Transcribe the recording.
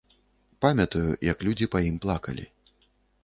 Памятаю, як людзі па ім плакалі.